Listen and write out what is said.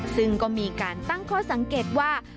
ซึ่งก็มีการตั้งข้อสังเกตว่า